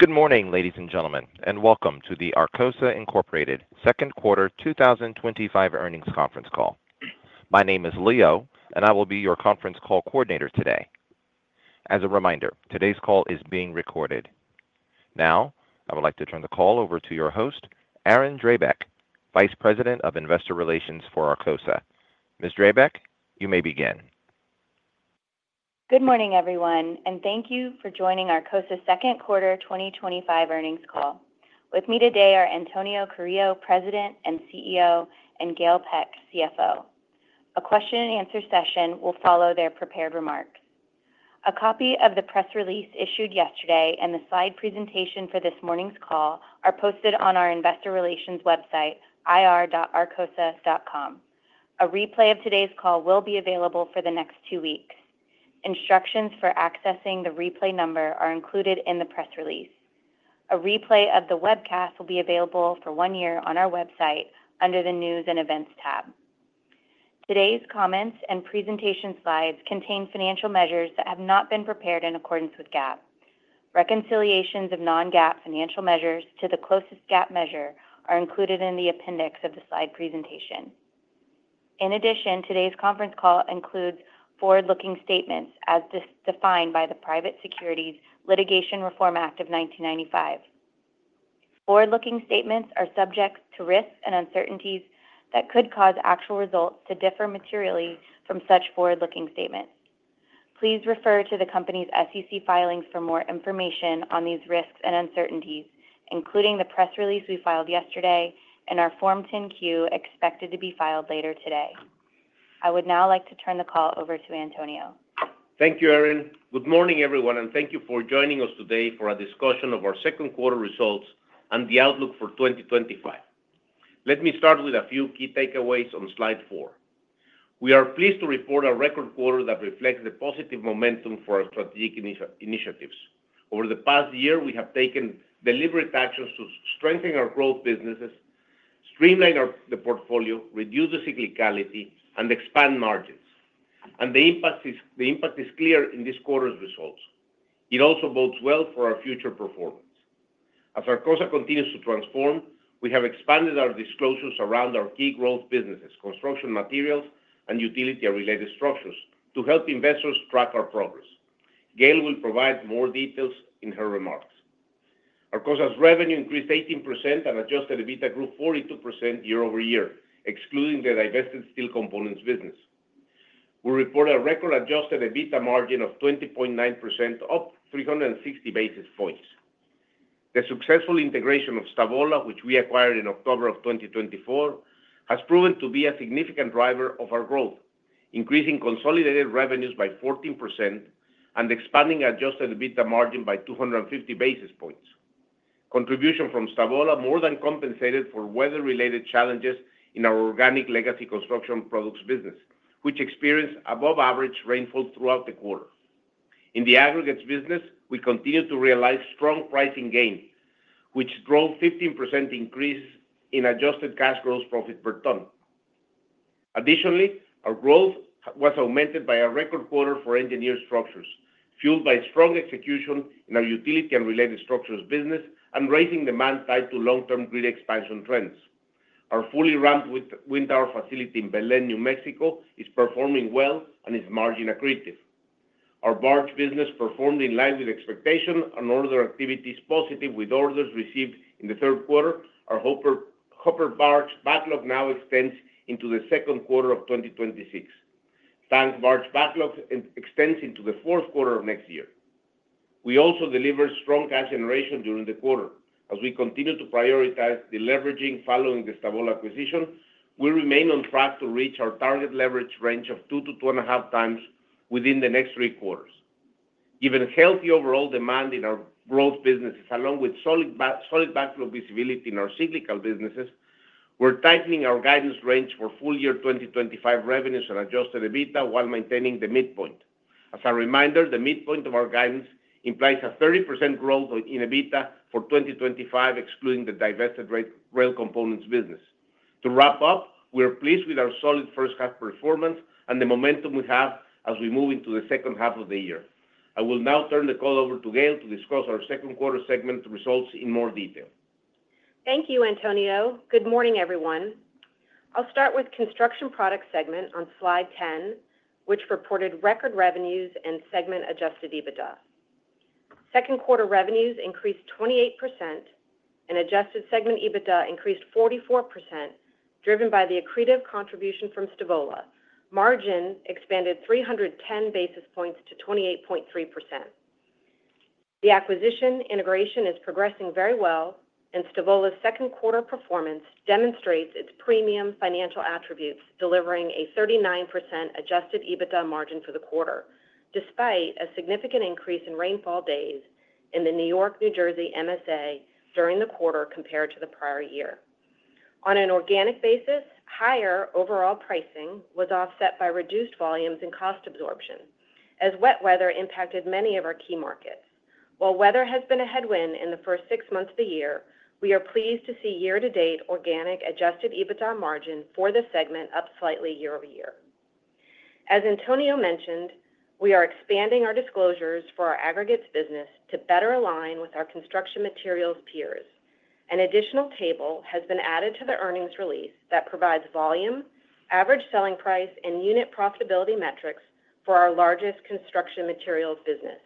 Good morning, ladies and gentlemen, and welcome to the Arcosa, Inc. Second Quarter 2025 Earnings Conference Call. My name is Leo, and I will be your conference call coordinator today. As a reminder, today's call is being recorded. Now, I would like to turn the call over to your host, Erin Drabek, Vice President of Investor Relations for Arcosa. Ms. Drabek, you may begin. Good morning, everyone, and thank you for joining Arcosa's second quarter 2025 earnings call. With me today are Antonio Carrillo, President and CEO, and Gail Peck, CFO. A question and answer session will follow their prepared remarks. A copy of the press release issued yesterday and the slide presentation for this morning's call are posted on our Investor Relations website, ir.arcosa.com. A replay of today's call will be available for the next two weeks. Instructions for accessing the replay number are included in the press release. A replay of the webcast will be available for one year on our website under the News and Events tab. Today's comments and presentation slides contain financial measures that have not been prepared in accordance with GAAP. Reconciliations of non-GAAP financial measures to the closest GAAP measure are included in the appendix of the slide presentation. In addition, today's conference call includes forward-looking statements as defined by the Private Securities Litigation Reform Act of 1995. Forward-looking statements are subject to risks and uncertainties that could cause actual results to differ materially from such forward-looking statements. Please refer to the company's SEC filings for more information on these risks and uncertainties, including the press release we filed yesterday and our Form 10-Q expected to be filed later today. I would now like to turn the call over to Antonio. Thank you, Erin. Good morning, everyone, and thank you for joining us today for our discussion of our second quarter results and the outlook for 2025. Let me start with a few key takeaways on slide four. We are pleased to report a record quarter that reflects the positive momentum for our strategic initiatives. Over the past year, we have taken deliberate actions to strengthen our growth businesses, streamline the portfolio, reduce the cyclicality, and expand margins. The impact is clear in this quarter's results. It also bodes well for our future performance. As Arcosa continues to transform, we have expanded our disclosures around our key growth businesses, construction materials, and utility structures to help investors track our progress. Gail will provide more details in her remarks. Arcosa's revenue increased 18% and adjusted EBITDA grew 42% year-over-year, excluding the divested steel components business. We report a record adjusted EBITDA margin of 20.9%, up 360 basis points. The successful integration of Stavola, which we acquired in October of 2024, has proven to be a significant driver of our growth, increasing consolidated revenues by 14% and expanding adjusted EBITDA margin by 250 basis points. Contribution from Stavola more than compensated for weather-related challenges in our organic legacy construction materials business, which experienced above-average rainfall throughout the quarter. In the aggregates business, we continue to realize strong pricing gains, which drove a 15% increase in adjusted cash gross profit per ton. Additionally, our growth was augmented by a record quarter for engineered structures, fueled by strong execution in our utility structures business and rising demand tied to long-term grid expansion trends. Our fully ramped wind towers facility in Belen, New Mexico, is performing well and is margin accretive. Our barge business performed in line with expectation and order activity is positive with orders received in the third quarter. Our hopper barge backlog now extends into the second quarter of 2026. Tank barge backlog extends into the fourth quarter of next year. We also delivered strong cash generation during the quarter. As we continue to prioritize deleveraging following the Stavola acquisition, we remain on track to reach our target leverage range of 2x-2.5x within the next three quarters. Given healthy overall demand in our growth businesses, along with solid backlog visibility in our cyclical businesses, we're tightening our guidance range for full year 2025 revenues and adjusted EBITDA while maintaining the midpoint. As a reminder, the midpoint of our guidance implies a 30% growth in EBITDA for 2025, excluding the divested rail components business. To wrap up, we are pleased with our solid first half performance and the momentum we have as we move into the second half of the year. I will now turn the call over to Gail to discuss our second quarter segment results in more detail. Thank you, Antonio. Good morning, everyone. I'll start with the Construction Products segment on slide 10, which reported record revenues and segment-adjusted EBITDA. Second quarter revenues increased 28% and adjusted segment EBITDA increased 44%, driven by the accretive contribution from Stavola. Margin expanded 310 basis points to 28.3%. The acquisition integration is progressing very well, and Stavola's second quarter performance demonstrates its premium financial attributes, delivering a 39% adjusted EBITDA margin for the quarter, despite a significant increase in rainfall days in the New York, New Jersey MSA during the quarter compared to the prior year. On an organic basis, higher overall pricing was offset by reduced volumes and cost absorption, as wet weather impacted many of our key markets. While weather has been a headwind in the first six months of the year, we are pleased to see year-to-date organic adjusted EBITDA margin for the segment up slightly year-over-year. As Antonio mentioned, we are expanding our disclosures for our aggregates business to better align with our construction materials peers. An additional table has been added to the earnings release that provides volume, average selling price, and unit profitability metrics for our largest construction materials business.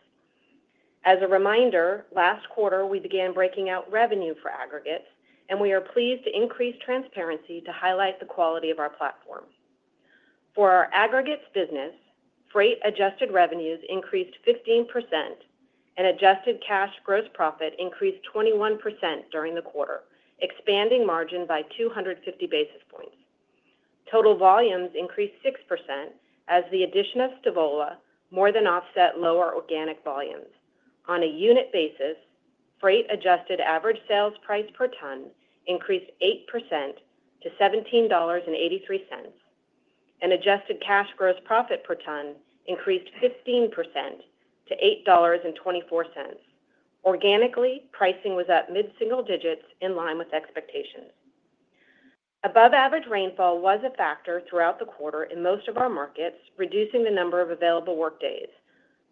As a reminder, last quarter we began breaking out revenue for aggregates, and we are pleased to increase transparency to highlight the quality of our platform. For our aggregates business, freight-adjusted revenues increased 15% and adjusted cash gross profit increased 21% during the quarter, expanding margin by 250 basis points. Total volumes increased 6% as the addition of Stavola more than offset lower organic volumes. On a unit basis, freight-adjusted average sales price per ton increased 8% to $17.83. An adjusted cash gross profit per ton increased 15% to $8.24. Organically, pricing was up mid-single digits in line with expectations. Above-average rainfall was a factor throughout the quarter in most of our markets, reducing the number of available workdays.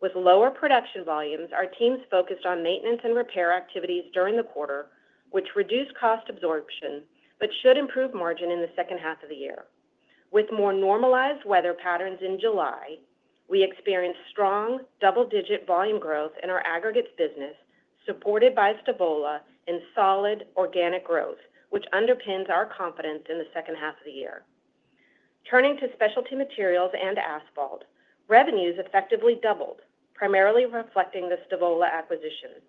With lower production volumes, our teams focused on maintenance and repair activities during the quarter, which reduced cost absorption but should improve margin in the second half of the year. With more normalized weather patterns in July, we experienced strong double-digit volume growth in our aggregates business, supported by Stavola and solid organic growth, which underpins our confidence in the second half of the year. Turning to specialty materials and asphalt, revenues effectively doubled, primarily reflecting the Stavola acquisition.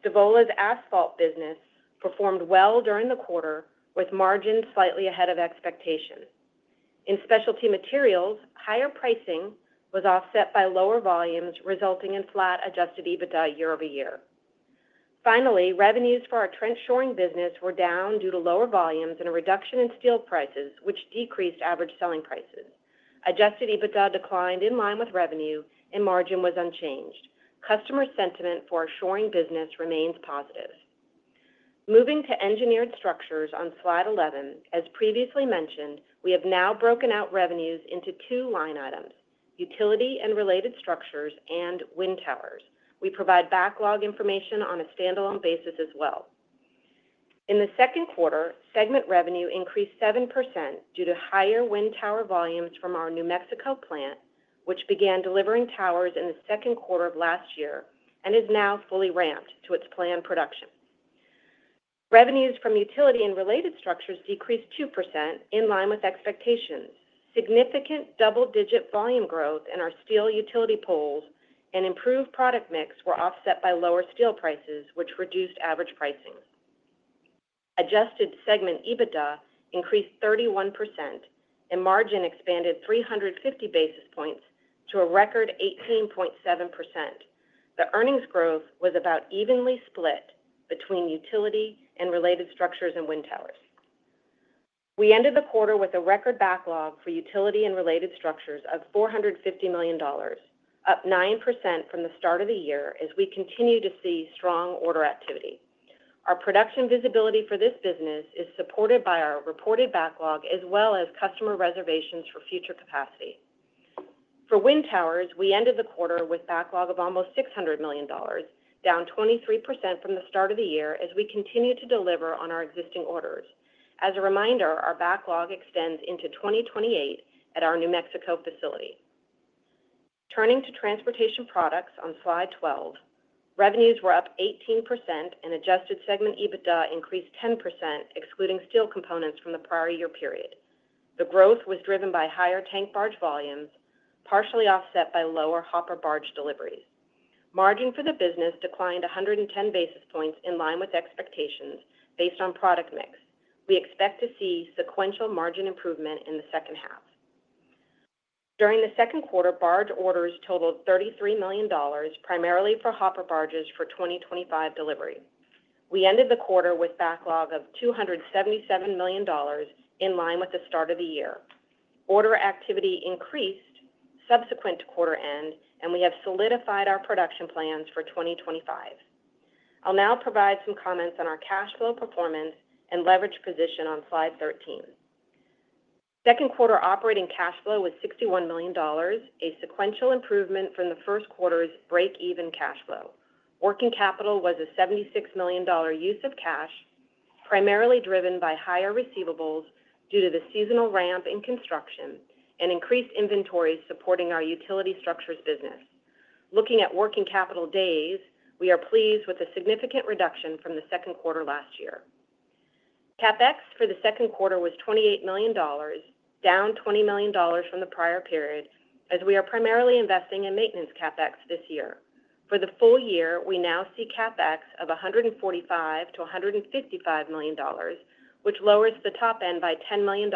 Stavola's asphalt business performed well during the quarter, with margins slightly ahead of expectation. In specialty materials, higher pricing was offset by lower volumes, resulting in flat adjusted EBITDA year-over-year. Finally, revenues for our trench shoring business were down due to lower volumes and a reduction in steel prices, which decreased average selling prices. Adjusted EBITDA declined in line with revenue, and margin was unchanged. Customer sentiment for our shoring business remains positive. Moving to engineered structures on slide 11, as previously mentioned, we have now broken out revenues into two line items: utility and related structures and wind towers. We provide backlog information on a standalone basis as well. In the second quarter, segment revenue increased 7% due to higher wind tower volumes from our New Mexico plant, which began delivering towers in the second quarter of last year and is now fully ramped to its planned production. Revenues from utility and related structures decreased 2% in line with expectations. Significant double-digit volume growth in our steel utility poles and improved product mix were offset by lower steel prices, which reduced average pricings. Adjusted segment EBITDA increased 31% and margin expanded 350 basis points to a record 18.7%. The earnings growth was about evenly split between utility and related structures and wind towers. We ended the quarter with a record backlog for utility and related structures of $450 million, up 9% from the start of the year, as we continue to see strong order activity. Our production visibility for this business is supported by our reported backlog, as well as customer reservations for future capacity. For wind towers, we ended the quarter with a backlog of almost $600 million, down 23% from the start of the year, as we continue to deliver on our existing orders. As a reminder, our backlog extends into 2028 at our New Mexico facility. Turning to transportation products on slide 12, revenues were up 18% and adjusted segment EBITDA increased 10%, excluding steel components from the prior year period. The growth was driven by higher tank barge volumes, partially offset by lower hopper barge deliveries. Margin for the business declined 110 basis points in line with expectations based on product mix. We expect to see sequential margin improvement in the second half. During the second quarter, barge orders totaled $33 million, primarily for hopper barges for 2025 delivery. We ended the quarter with a backlog of $277 million in line with the start of the year. Order activity increased subsequent to quarter end, and we have solidified our production plans for 2025. I'll now provide some comments on our cash flow performance and leverage position on slide 13. Second quarter operating cash flow was $61 million, a sequential improvement from the first quarter's break-even cash flow. Working capital was a $76 million use of cash, primarily driven by higher receivables due to the seasonal ramp in construction and increased inventories supporting our utility structures business. Looking at working capital days, we are pleased with a significant reduction from the second quarter last year. CapEx for the second quarter was $28 million, down $20 million from the prior period, as we are primarily investing in maintenance CapEx this year. For the full year, we now see CapEx of $145 million-$155 million, which lowers the top end by $10 million,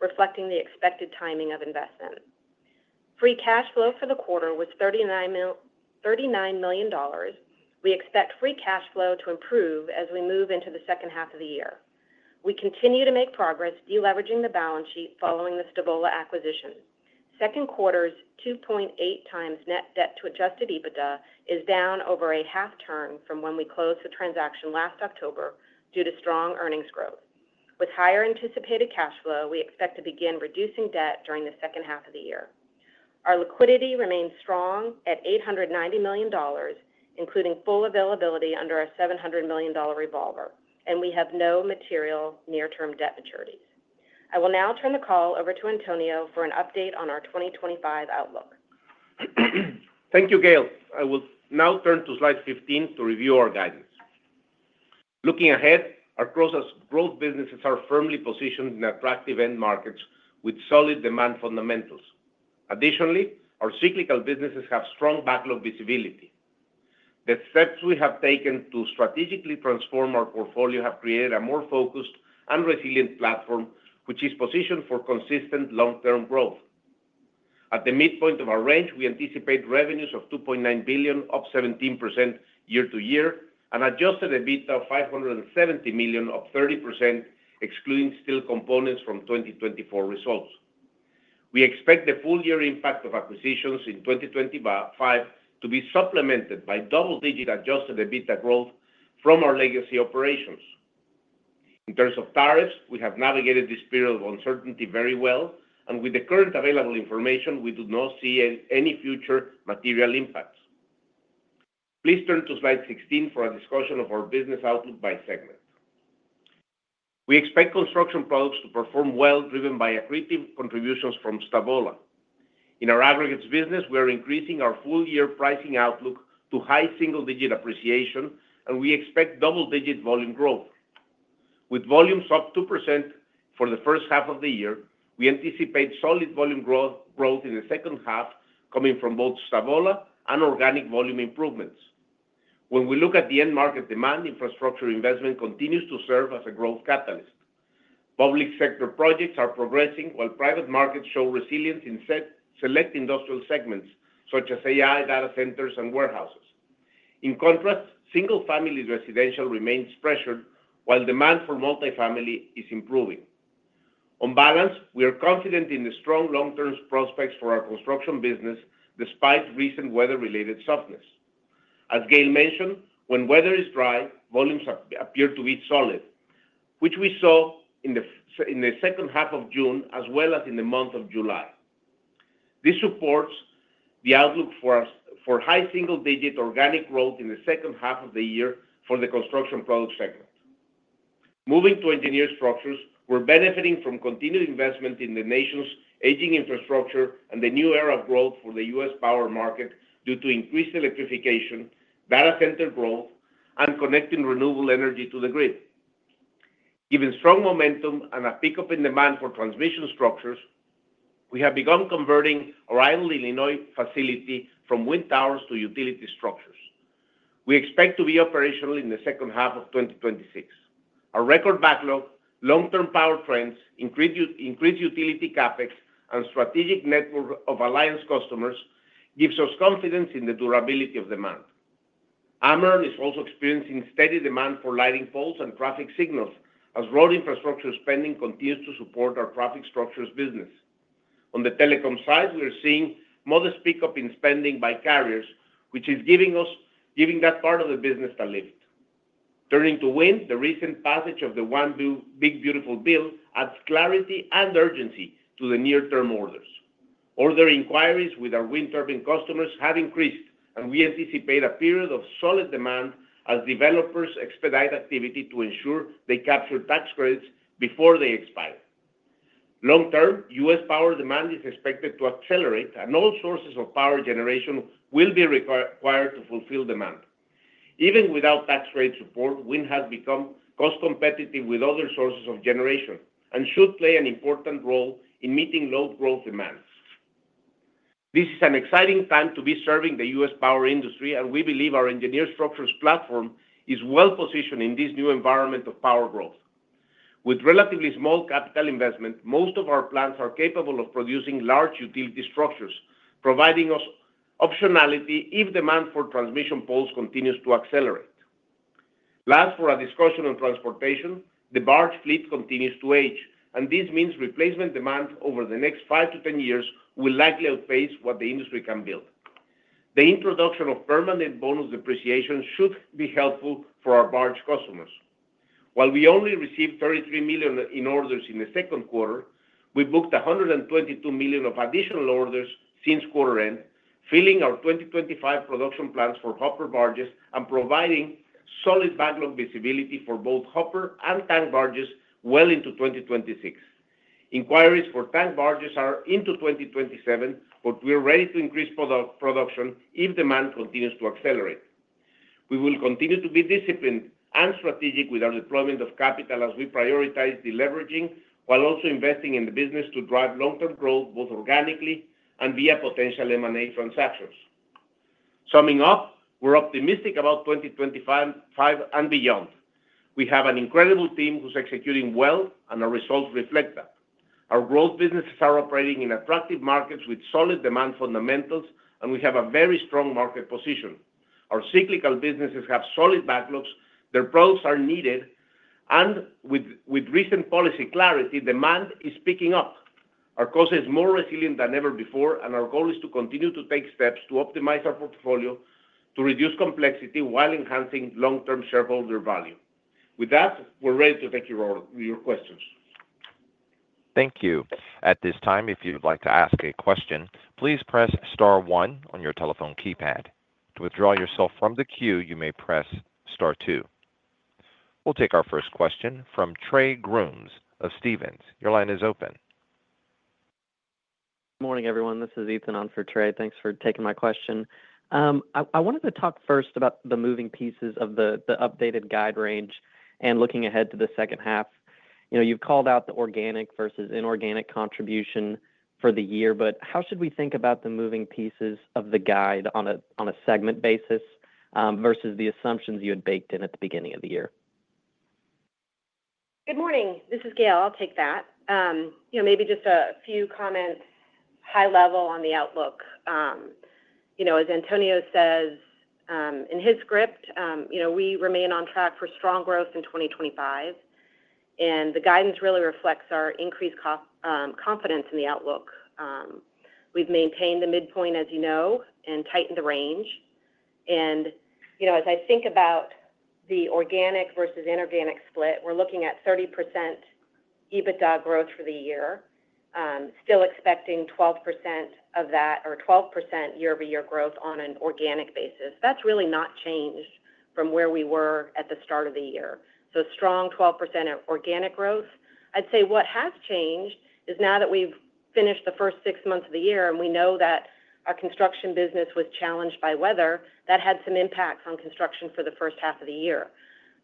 reflecting the expected timing of investment. Free cash flow for the quarter was $39 million. We expect free cash flow to improve as we move into the second half of the year. We continue to make progress, deleveraging the balance sheet following the Stavola acquisition. Second quarter's 2.8x net debt to adjusted EBITDA is down over a half turn from when we closed the transaction last October due to strong earnings growth. With higher anticipated cash flow, we expect to begin reducing debt during the second half of the year. Our liquidity remains strong at $890 million, including full availability under our $700 million revolver, and we have no material near-term debt maturities. I will now turn the call over to Antonio for an update on our 2025 outlook. Thank you, Gail. I will now turn to slide 15 to review our guidance. Looking ahead, our growth businesses are firmly positioned in attractive end markets with solid demand fundamentals. Additionally, our cyclical businesses have strong backlog visibility. The steps we have taken to strategically transform our portfolio have created a more focused and resilient platform, which is positioned for consistent long-term growth. At the midpoint of our range, we anticipate revenues of $2.9 billion, up 17% year-to-year, and adjusted EBITDA of $570 million, up 30%, excluding steel components from 2024 results. We expect the full year impact of acquisitions in 2025 to be supplemented by double-digit adjusted EBITDA growth from our legacy operations. In terms of tariffs, we have navigated this period of uncertainty very well, and with the current available information, we do not see any future material impacts. Please turn to slide 16 for a discussion of our business outlook by segment. We expect construction products to perform well, driven by accretive contributions from Stavola. In our aggregates business, we are increasing our full year pricing outlook to high single-digit appreciation, and we expect double-digit volume growth. With volumes up 2% for the first half of the year, we anticipate solid volume growth in the second half, coming from both Stavola and organic volume improvements. When we look at the end market demand, infrastructure investment continues to serve as a growth catalyst. Public sector projects are progressing, while private markets show resilience in select industrial segments, such as AI data centers and warehouses. In contrast, single-family residential remains pressured, while demand for multifamily is improving. On balance, we are confident in the strong long-term prospects for our construction business, despite recent weather-related softness. As Gail mentioned, when weather is dry, volumes appear to be solid, which we saw in the second half of June, as well as in the month of July. This supports the outlook for high single-digit organic growth in the second half of the year for the construction product segment. Moving to engineered structures, we're benefiting from continued investment in the nation's aging infrastructure and the new era of growth for the U.S. power market due to increased electrification, data center growth, and connecting renewable energy to the grid. Given strong momentum and a pickup in demand for transmission structures, we have begun converting our Orion, Illinois facility from wind towers to utility structures. We expect to be operational in the second half of 2026. Our record backlog, long-term power trends, increased utility CapEx, and strategic network of alliance customers give us confidence in the durability of demand. Arcosa is also experiencing steady demand for lighting poles and traffic signals, as road infrastructure spending continues to support our traffic structures business. On the telecom side, we are seeing a modest pickup in spending by carriers, which is giving us that part of the business to live. Turning to wind, the recent passage of the One Big Beautiful Bill adds clarity and urgency to the near-term orders. Order inquiries with our wind turbine customers have increased, and we anticipate a period of solid demand as developers expedite activity to ensure they capture tax credits before they expire. Long-term, U.S. power demand is expected to accelerate, and all sources of power generation will be required to fulfill demand. Even without tax rate support, wind has become cost-competitive with other sources of generation and should play an important role in meeting load growth demands. This is an exciting time to be serving the U.S. power industry, and we believe our engineered structures platform is well positioned in this new environment of power growth. With relatively small capital investment, most of our plants are capable of producing large utility structures, providing us optionality if demand for transmission poles continues to accelerate. Last, for a discussion on transportation, the barge fleet continues to age, and this means replacement demand over the next five to 10 years will likely outpace what the industry can build. The introduction of permanent bonus depreciation should be helpful for our barge customers. While we only received $33 million in orders in the second quarter, we booked $122 million of additional orders since quarter end, filling our 2025 production plans for hopper barges and providing solid backlog visibility for both hopper and tank barges well into 2026. Inquiries for tank barges are into 2027, but we are ready to increase production if demand continues to accelerate. We will continue to be disciplined and strategic with our deployment of capital as we prioritize deleveraging while also investing in the business to drive long-term growth, both organically and via potential M&A transactions. Summing up, we're optimistic about 2025 and beyond. We have an incredible team who's executing well, and our results reflect that. Our growth businesses are operating in attractive markets with solid demand fundamentals, and we have a very strong market position. Our cyclical businesses have solid backlogs, their products are needed, and with recent policy clarity, demand is picking up. Arcosa is more resilient than ever before, and our goal is to continue to take steps to optimize our portfolio to reduce complexity while enhancing long-term shareholder value. With that, we're ready to take your questions. Thank you. At this time, if you'd like to ask a question, please press star one on your telephone keypad. To withdraw yourself from the queue, you may press star two. We'll take our first question from Trey Grooms of Stephens. Your line is open. Morning, everyone. This is Ethan on for Trey. Thanks for taking my question. I wanted to talk first about the moving pieces of the updated guide range and looking ahead to the second half. You've called out the organic versus inorganic contribution for the year, but how should we think about the moving pieces of the guide on a segment basis versus the assumptions you had baked in at the beginning of the year? Good morning. This is Gail. I'll take that. Maybe just a few comments high level on the outlook. As Antonio says in his script, we remain on track for strong growth in 2025, and the guidance really reflects our increased confidence in the outlook. We've maintained the midpoint, as you know, and tightened the range. As I think about the organic versus inorganic split, we're looking at 30% EBITDA growth for the year, still expecting 12% of that or 12% year-over-year growth on an organic basis. That's really not changed from where we were at the start of the year. Strong 12% organic growth. I'd say what has changed is now that we've finished the first six months of the year and we know that our construction business was challenged by weather, that had some impacts on construction for the first half of the year.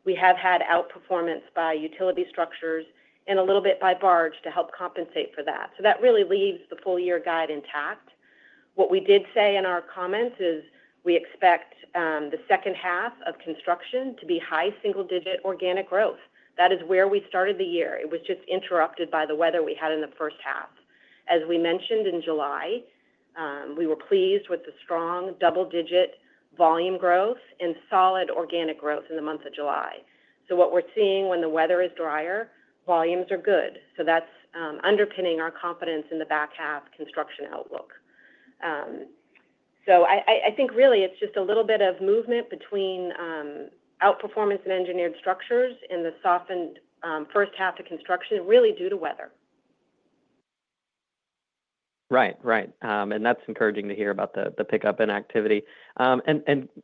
We have had outperformance by utility structures and a little bit by barge to help compensate for that. That really leaves the full year guide intact. What we did say in our comments is we expect the second half of construction to be high single-digit organic growth. That is where we started the year. It was just interrupted by the weather we had in the first half. As we mentioned in July, we were pleased with the strong double-digit volume growth and solid organic growth in the month of July. What we're seeing when the weather is drier, volumes are good. That's underpinning our confidence in the back half construction outlook. I think really it's just a little bit of movement between outperformance in engineered structures and the softened first half of construction really due to weather. Right. That's encouraging to hear about the pickup in activity.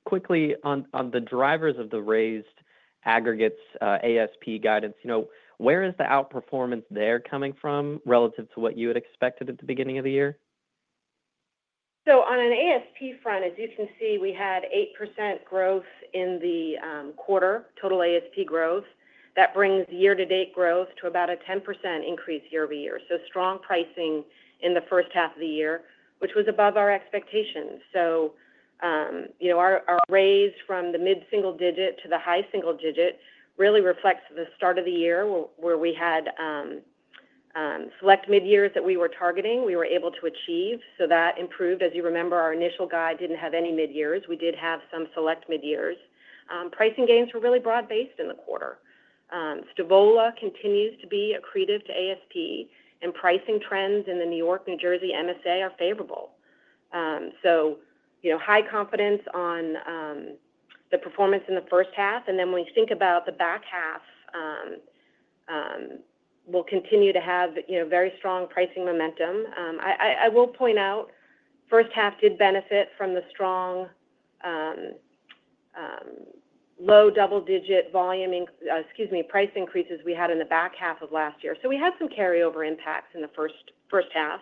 Quickly, on the drivers of the raised aggregates ASP guidance, where is the outperformance there coming from relative to what you had expected at the beginning of the year? On an ASP front, as you can see, we had 8% growth in the quarter total ASP growth. That brings year-to-date growth to about a 10% increase year-over-year. Strong pricing in the first half of the year was above our expectations. Our raise from the mid-single digit to the high single digit really reflects the start of the year where we had select mid-years that we were targeting, we were able to achieve. That improved. As you remember, our initial guide didn't have any mid-years. We did have some select mid-years. Pricing gains were really broad-based in the quarter. Stavola continues to be accretive to ASP, and pricing trends in the New York, New Jersey MSA are favorable. High confidence on the performance in the first half. When we think about the back half, we'll continue to have very strong pricing momentum. I will point out, the first half did benefit from the strong low double-digit price increases we had in the back half of last year. We had some carryover impacts in the first half,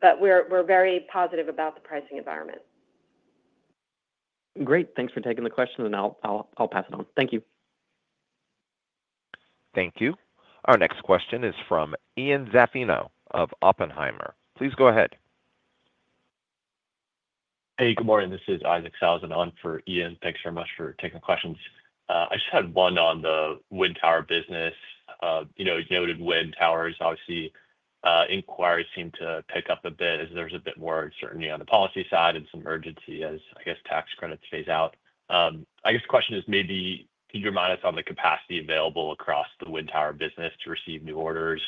but we're very positive about the pricing environment. Great. Thanks for taking the question, and I'll pass it on. Thank you. Thank you. Our next question is from Ian Zaffino of Oppenheimer. Please go ahead. Hey, good morning. This is Isaac Sellhausen on for Ian. Thanks very much for taking the questions. I just had one on the wind tower business. You know, you noted wind towers, obviously, inquiries seem to pick up a bit as there's a bit more uncertainty on the policy side and some urgency as, I guess, tax credits phase out. I guess the question is maybe could you remind us on the capacity available across the wind tower business to receive new orders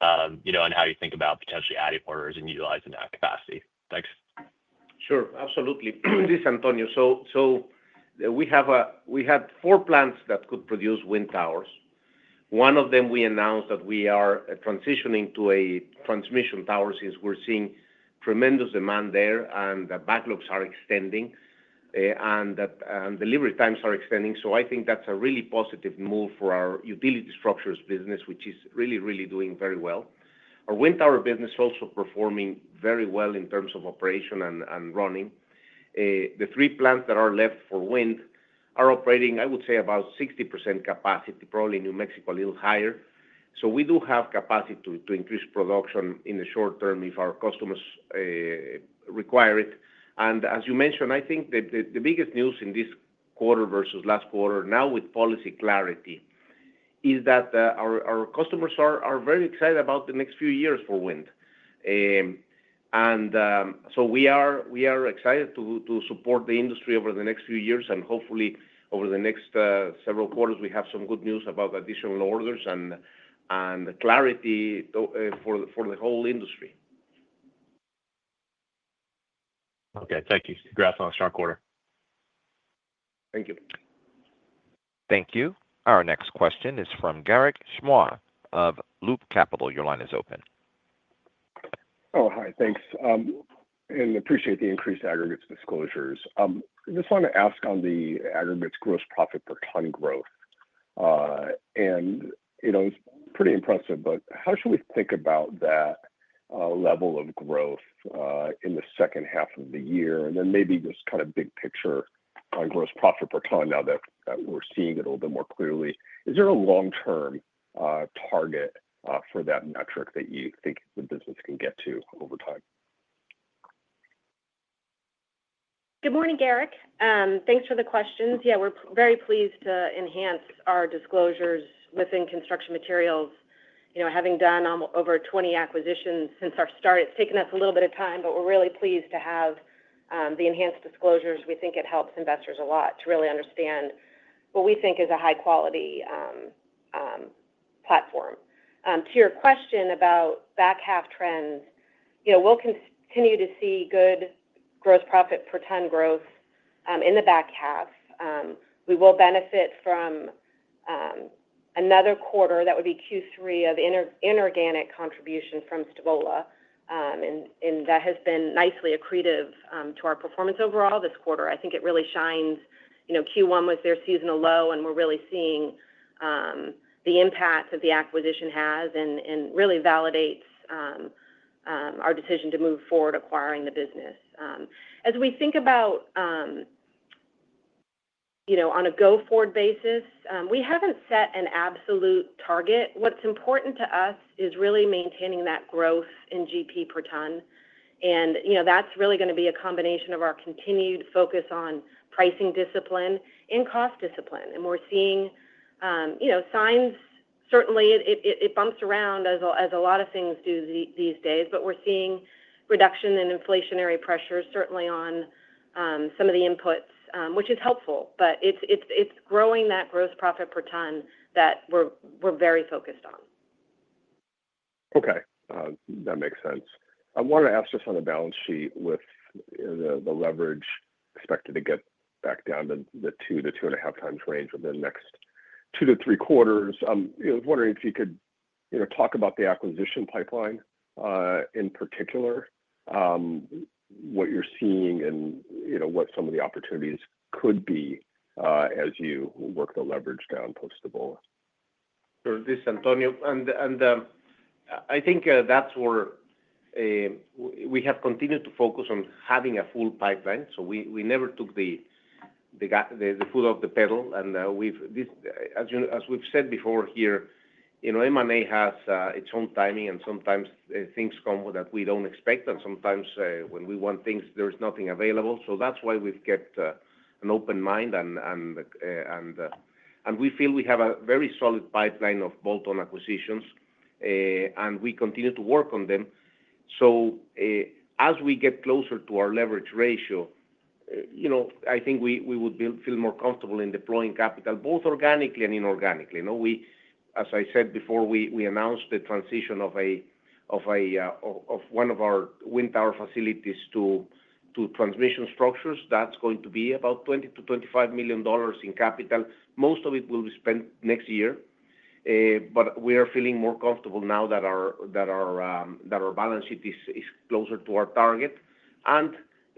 and how you think about potentially adding orders and utilizing that capacity? Thanks. Sure. Absolutely. This is Antonio. We had four plants that could produce wind towers. One of them we announced that we are transitioning to a transmission tower since we're seeing tremendous demand there, and the backlogs are extending and the delivery times are extending. I think that's a really positive move for our utility structures business, which is really, really doing very well. Our wind tower business is also performing very well in terms of operation and running. The three plants that are left for wind are operating, I would say, about 60% capacity, probably in New Mexico a little higher. We do have capacity to increase production in the short term if our customers require it. As you mentioned, I think the biggest news in this quarter versus last quarter, now with policy clarity, is that our customers are very excited about the next few years for wind. We are excited to support the industry over the next few years, and hopefully over the next several quarters we have some good news about additional orders and clarity for the whole industry. Okay, thank you. Congrats on a strong quarter. Thank you. Thank you. Our next question is from Garik Shmois of Loop Capital. Your line is open. Oh, hi. Thanks. I appreciate the increased aggregates disclosures. I just want to ask on the aggregates gross profit per ton growth. It's pretty impressive, but how should we think about that level of growth in the second half of the year? Maybe just kind of big picture on gross profit per ton now that we're seeing it a little bit more clearly. Is there a long-term target for that metric that you think the business can get to over time? Good morning, Garik. Thanks for the questions. Yeah, we're very pleased to enhance our disclosures within construction materials. You know, having done over 20 acquisitions since our start, it's taken us a little bit of time, but we're really pleased to have the enhanced disclosures. We think it helps investors a lot to really understand what we think is a high-quality platform. To your question about back half trends, you know we'll continue to see good gross profit per ton growth in the back half. We will benefit from another quarter, that would be Q3, of inorganic contributions from Stavola. That has been nicely accretive to our performance overall this quarter. I think it really shines. Q1 was their seasonal low, and we're really seeing the impact that the acquisition has and really validates our decision to move forward acquiring the business. As we think about, you know, on a go-forward basis, we haven't set an absolute target. What's important to us is really maintaining that growth in GP per ton. You know, that's really going to be a combination of our continued focus on pricing discipline and cost discipline. We're seeing signs. Certainly, it bumps around as a lot of things do these days, but we're seeing reduction in inflationary pressures, certainly on some of the inputs, which is helpful. It's growing that gross profit per ton that we're very focused on. Okay. That makes sense. I wanted to ask just on the balance sheet with the leverage expected to get back down to the 2x-2.5x range within the next two to three quarters. I was wondering if you could talk about the acquisition pipeline in particular, what you're seeing, and you know what some of the opportunities could be as you work the leverage down post Stavola. Sure. This is Antonio. I think that's where we have continued to focus on having a full pipeline. We never took the foot off the pedal. As we've said before here, you know, M&A has its own timing, and sometimes things come that we don't expect, and sometimes when we want things, there is nothing available. That's why we've kept an open mind, and we feel we have a very solid pipeline of bolt-on acquisitions, and we continue to work on them. As we get closer to our leverage ratio, I think we would feel more comfortable in deploying capital, both organically and inorganically. As I said before, we announced the transition of one of our wind tower facilities to transmission structures. That's going to be about $20 million-$25 million in capital. Most of it will be spent next year, but we are feeling more comfortable now that our balance sheet is closer to our target.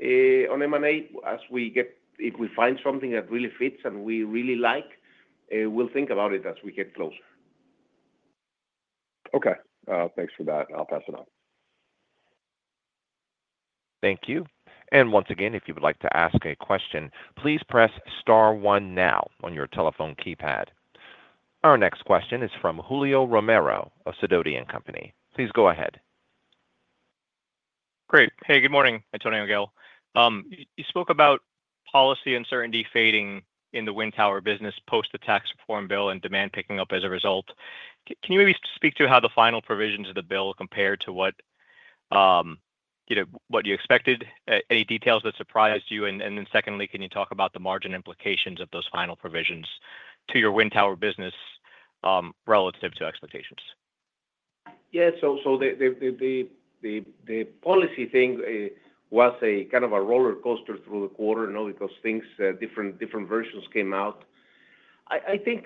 On M&A, if we find something that really fits and we really like, we'll think about it as we get closer. Okay, thanks for that. I'll pass it on. Thank you. If you would like to ask a question, please press star one now on your telephone keypad. Our next question is from Julio Romero of Sidoti & Company. Please go ahead. Great. Hey, good morning, Antonio, Gail. You spoke about policy uncertainty fading in the wind tower business post the tax reform bill and demand picking up as a result. Can you maybe speak to how the final provisions of the bill compared to what you expected? Any details that surprised you? Secondly, can you talk about the margin implications of those final provisions to your wind tower business relative to expectations? Yeah. The policy thing was kind of a roller coaster through the quarter because different versions came out. I think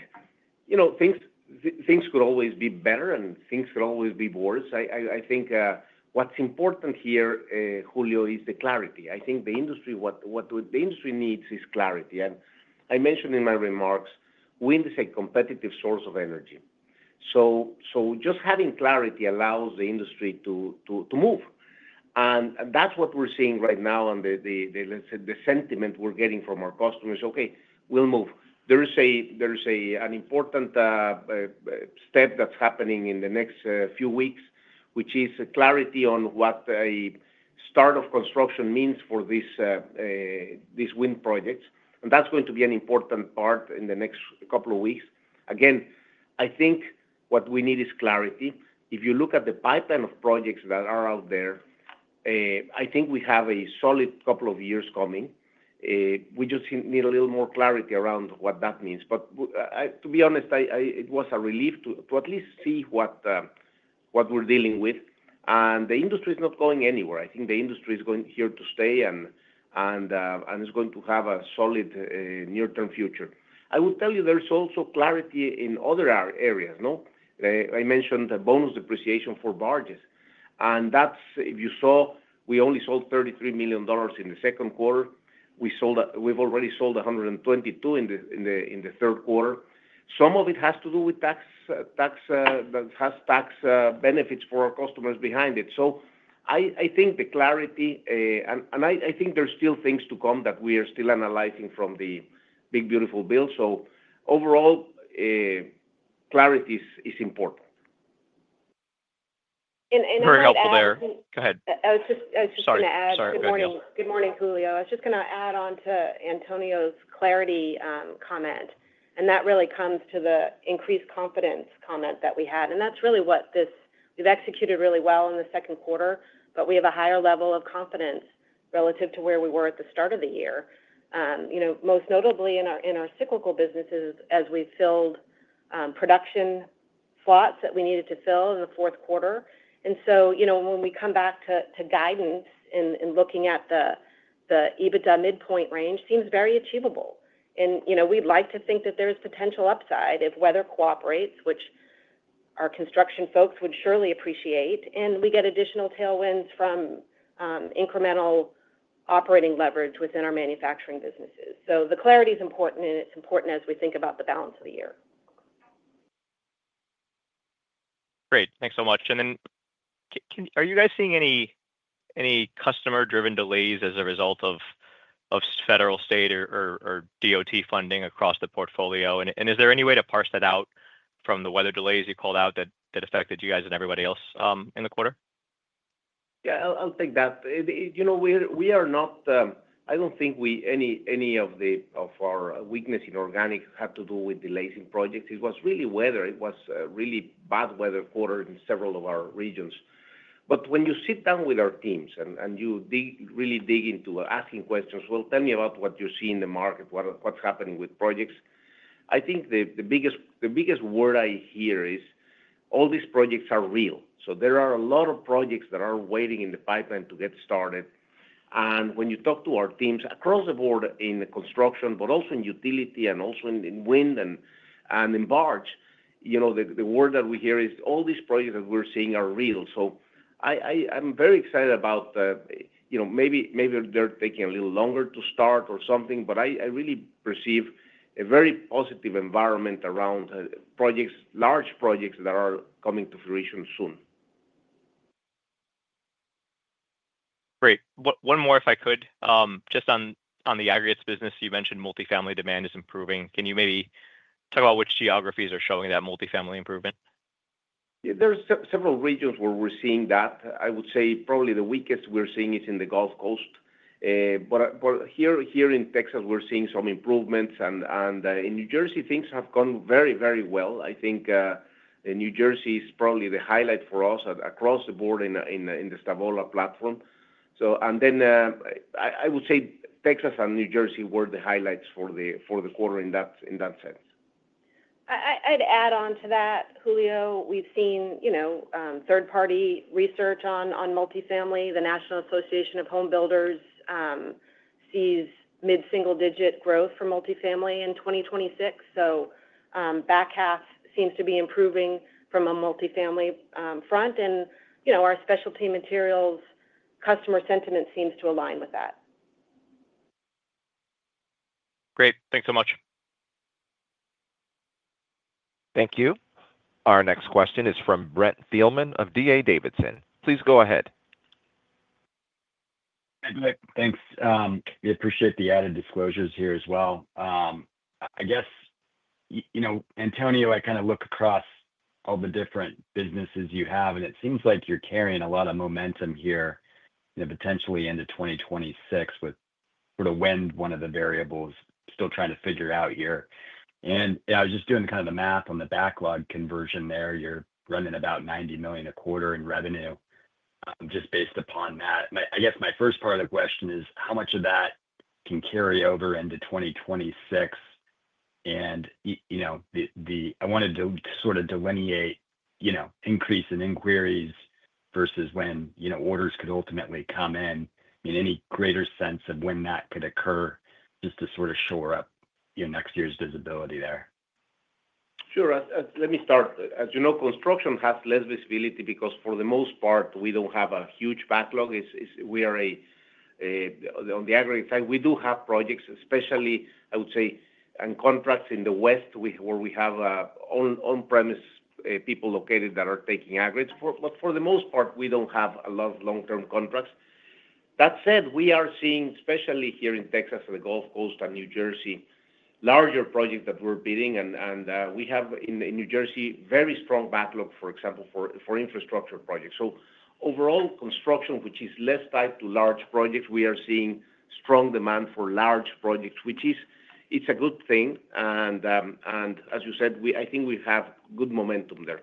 things could always be better and things could always be worse. What's important here, Julio, is the clarity. The industry, what the industry needs is clarity. I mentioned in my remarks, wind is a competitive source of energy. Just having clarity allows the industry to move. That's what we're seeing right now and the sentiment we're getting from our customers. There is an important step that's happening in the next few weeks, which is clarity on what a start of construction means for these wind projects. That's going to be an important part in the next couple of weeks. Again, I think what we need is clarity. If you look at the pipeline of projects that are out there, I think we have a solid couple of years coming. We just need a little more clarity around what that means. To be honest, it was a relief to at least see what we're dealing with. The industry is not going anywhere. I think the industry is here to stay and is going to have a solid near-term future. I will tell you, there's also clarity in other areas. I mentioned the bonus depreciation for barges. If you saw, we only sold $33 million in the second quarter. We've already sold $122 million in the third quarter. Some of it has to do with tax that has tax benefits for our customers behind it. The clarity, and I think there's still things to come that we are still analyzing from the Big Beautiful Bill. Overall, clarity is important. Very helpful there. Go ahead. Sorry. Good morning, Julio. I was just going to add on to Antonio's clarity comment. That really comes to the increased confidence comment that we had. That's really what this is. We've executed really well in the second quarter, but we have a higher level of confidence relative to where we were at the start of the year, most notably in our cyclical businesses as we filled production slots that we needed to fill in the fourth quarter. When we come back to guidance and looking at the EBITDA midpoint range, it seems very achievable. We'd like to think that there's potential upside if weather cooperates, which our construction folks would surely appreciate, and we get additional tailwinds from incremental operating leverage within our manufacturing businesses. The clarity is important, and it's important as we think about the balance of the year. Great. Thanks so much. Are you guys seeing any customer-driven delays as a result of federal, state, or DOT funding across the portfolio? Is there any way to parse that out from the weather delays you called out that affected you guys and everybody else in the quarter? Yeah, I'll take that. You know, we are not, I don't think any of our weakness in organic had to do with delays in projects. It was really weather. It was a really bad weather quarter in several of our regions. When you sit down with our teams and you really dig into asking questions, tell me about what you see in the market, what's happening with projects. I think the biggest word I hear is all these projects are real. There are a lot of projects that are waiting in the pipeline to get started. When you talk to our teams across the board in construction, but also in utility and also in wind and in barge, the word that we hear is all these projects that we're seeing are real. I'm very excited about, maybe they're taking a little longer to start or something, but I really perceive a very positive environment around projects, large projects that are coming to fruition soon. Great. One more, if I could, just on the aggregates business, you mentioned multifamily demand is improving. Can you maybe talk about which geographies are showing that multifamily improvement? Yeah, there's several regions where we're seeing that. I would say probably the weakest we're seeing is in the Gulf Coast. Here in Texas, we're seeing some improvements, and in New Jersey, things have gone very, very well. I think New Jersey is probably the highlight for us across the board in the Stavola platform. I would say Texas and New Jersey were the highlights for the quarter in that sense. I'd add on to that, Julio, we've seen third-party research on multifamily. The National Association of Home Builders sees mid-single-digit growth for multifamily in 2026. Back half seems to be improving from a multifamily front, and our specialty materials customer sentiment seems to align with that. Great. Thanks so much. Thank you. Our next question is from Brent Thielman of D.A. Davidson. Please go ahead. Hey, Greg. Thanks. We appreciate the added disclosures here as well. I guess, you know, Antonio, I kind of look across all the different businesses you have, and it seems like you're carrying a lot of momentum here, potentially into 2026 with sort of when one of the variables still trying to figure out here. I was just doing kind of the math on the backlog conversion there. You're running about $90 million a quarter in revenue, just based upon that. My first part of the question is how much of that can carry over into 2026? I wanted to sort of delineate, you know, increase in inquiries versus when orders could ultimately come in. I mean, any greater sense of when that could occur just to sort of shore up next year's visibility there. Sure. Let me start. As you know, construction has less visibility because for the most part, we don't have a huge backlog. We are on the aggregate. In fact, we do have projects, especially, I would say, on contracts in the West where we have on-premise people located that are taking aggregates. For the most part, we don't have a lot of long-term contracts. That said, we are seeing, especially here in Texas and the Gulf Coast and New Jersey, larger projects that we're bidding. We have in New Jersey a very strong backlog, for example, for infrastructure projects. Overall, construction, which is less tied to large projects, we are seeing strong demand for large projects, which is a good thing. I think we have good momentum there.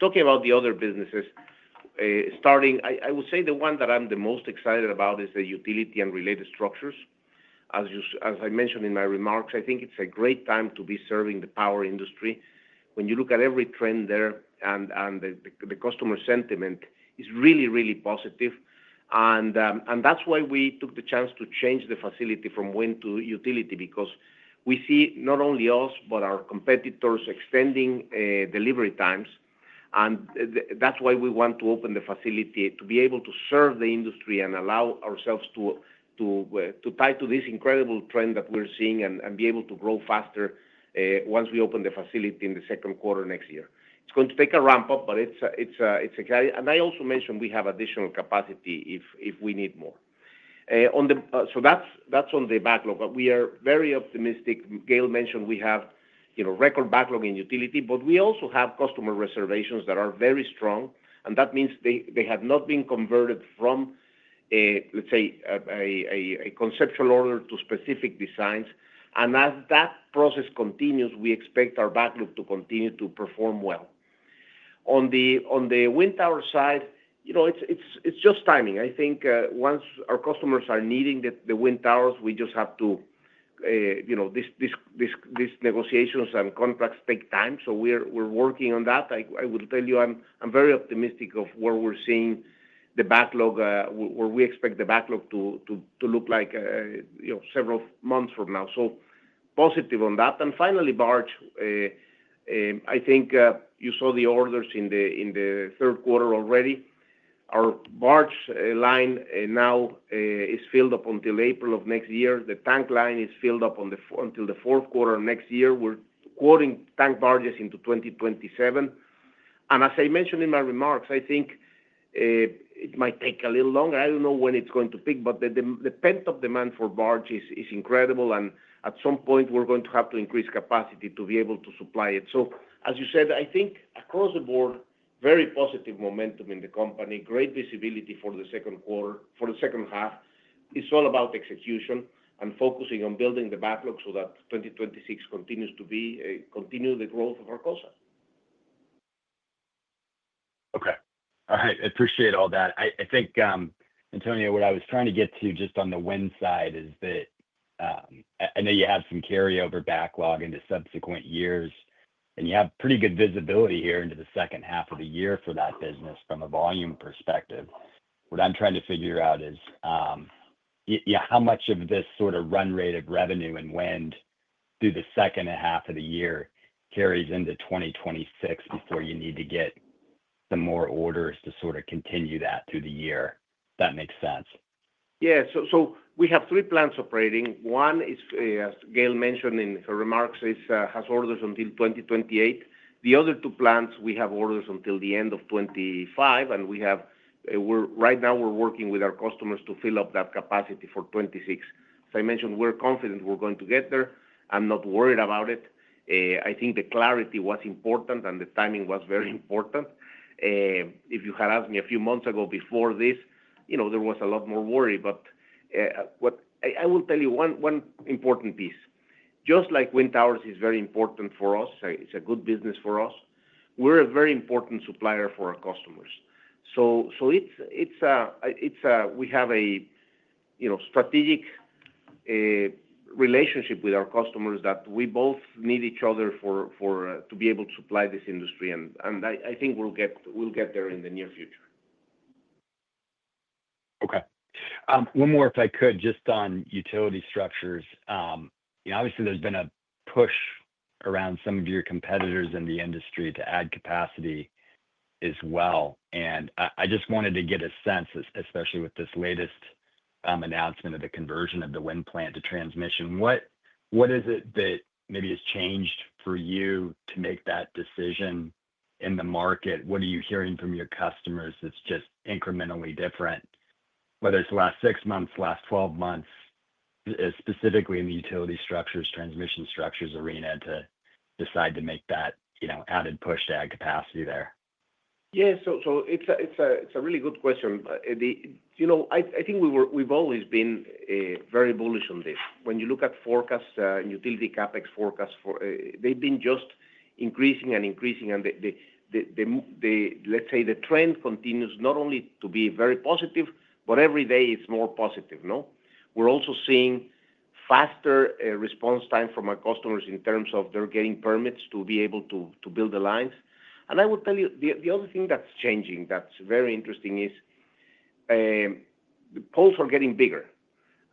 Talking about the other businesses, starting, I would say the one that I'm the most excited about is the utility and related structures. As I mentioned in my remarks, I think it's a great time to be serving the power industry. When you look at every trend there, and the customer sentiment is really, really positive. That's why we took the chance to change the facility from wind to utility because we see not only us, but our competitors extending delivery times. That's why we want to open the facility to be able to serve the industry and allow ourselves to tie to this incredible trend that we're seeing and be able to grow faster once we open the facility in the second quarter next year. It's going to take a ramp up, but it's exciting. I also mentioned we have additional capacity if we need more. That's on the backlog. We are very optimistic. Gail mentioned we have, you know, record backlog in utility, but we also have customer reservations that are very strong. That means they have not been converted from, let's say, a conceptual order to specific designs. As that process continues, we expect our backlog to continue to perform well. On the wind tower side, you know, it's just timing. I think once our customers are needing the wind towers, we just have to, you know, these negotiations and contracts take time. We're working on that. I will tell you, I'm very optimistic of where we're seeing the backlog, where we expect the backlog to look like, you know, several months from now. Positive on that. Finally, barge. I think you saw the orders in the third quarter already. Our barge line now is filled up until April of next year. The tank line is filled up until the fourth quarter of next year. We're quoting tank barges into 2027. As I mentioned in my remarks, I think it might take a little longer. I don't know when it's going to pick, but the pent-up demand for barges is incredible. At some point, we're going to have to increase capacity to be able to supply it. As you said, I think across the board, very positive momentum in the company, great visibility for the second quarter, for the second half. It's all about execution and focusing on building the backlog so that 2026 continues to be continue the growth of Arcosa. Okay. I appreciate all that. I think, Antonio, what I was trying to get to just on the wind side is that I know you have some carryover backlog into subsequent years, and you have pretty good visibility here into the second half of the year for that business from a volume perspective. What I'm trying to figure out is how much of this sort of run rate of revenue and wind through the second half of the year carries into 2026 before you need to get some more orders to sort of continue that through the year, if that makes sense. Yeah. We have three plants operating. One, as Gail mentioned in her remarks, has orders until 2028. The other two plants have orders until the end of 2025. Right now, we're working with our customers to fill up that capacity for 2026. As I mentioned, we're confident we're going to get there. I'm not worried about it. I think the clarity was important and the timing was very important. If you had asked me a few months ago before this, there was a lot more worry. I will tell you one important piece. Just like wind towers are very important for us, it's a good business for us. We're a very important supplier for our customers. We have a strategic relationship with our customers that we both need each other to be able to supply this industry. I think we'll get there in the near future. Okay. One more, if I could, just on utility structures. Obviously, there's been a push around some of your competitors in the industry to add capacity as well. I just wanted to get a sense, especially with this latest announcement of the conversion of the wind plant to transmission. What is it that maybe has changed for you to make that decision in the market? What are you hearing from your customers that's just incrementally different, whether it's the last 6 months, last 12 months, specifically in the utility structures, transmission structures arena to decide to make that added push to add capacity there? Yeah. It's a really good question. I think we've always been very bullish on this. When you look at forecasts and utility CapEx forecasts, they've been just increasing and increasing. The trend continues not only to be very positive, but every day it's more positive. We're also seeing faster response time from our customers in terms of they're getting permits to be able to build the lines. I will tell you, the other thing that's changing that's very interesting is the poles are getting bigger.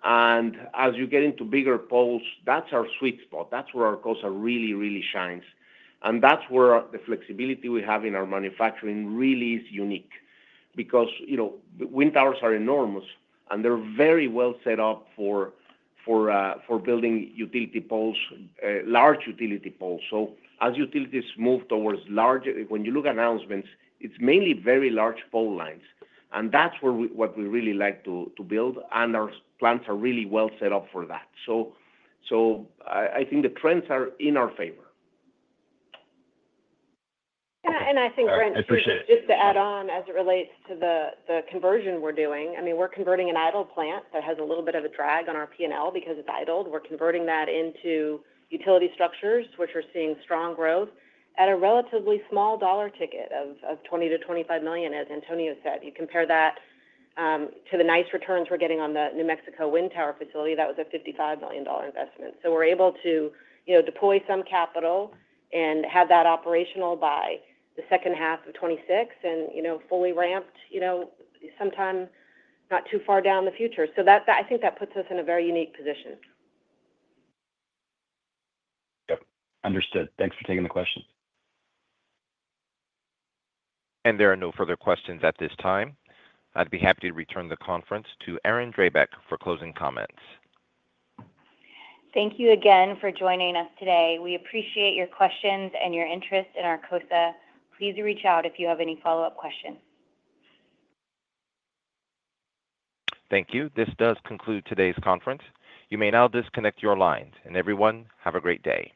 As you get into bigger poles, that's our sweet spot. That's where Arcosa really, really shines. That's where the flexibility we have in our manufacturing really is unique because the wind towers are enormous, and they're very well set up for building utility poles, large utility poles. As utilities move towards large, when you look at announcements, it's mainly very large pole lines. That's what we really like to build, and our plants are really well set up for that. I think the trends are in our favor. Yeah, I think, Brent, just to add on as it relates to the conversion we're doing, we're converting an idle plant that has a little bit of a drag on our P&L because it's idled. We're converting that into utility structures, which are seeing strong growth at a relatively small dollar ticket of $20 million-$25 million, as Antonio Carrillo said. You compare that to the nice returns we're getting on the New Mexico wind tower facility. That was a $55 million investment. We're able to deploy some capital and have that operational by the second half of 2026 and fully ramped sometime not too far down the future. I think that puts us in a very unique position. Yep. Understood. Thanks for taking the questions. There are no further questions at this time. I'd be happy to return the conference to Erin Drabek for closing comments. Thank you again for joining us today. We appreciate your questions and your interest in Arcosa. Please reach out if you have any follow-up questions. Thank you. This does conclude today's conference. You may now disconnect your lines. Everyone, have a great day.